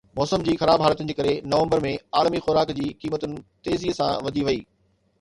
موسم جي خراب حالتن جي ڪري نومبر ۾ عالمي خوراڪ جي قيمتن تيزي سان وڌي وئي